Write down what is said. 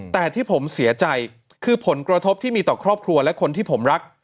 แต่ที่ผมเสียใจคือผลกระทบที่มีต่อครอบครัวและคนที่ผมรัก